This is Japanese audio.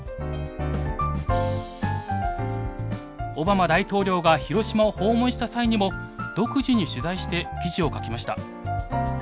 オバマ大統領が広島を訪問した際にも独自に取材して記事を書きました。